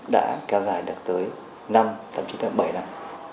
đã kéo dài được tới năm thậm chí là bảy năm